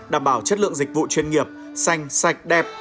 đảm bảo chất lượng dịch vụ chuyên nghiệp xanh sạch đẹp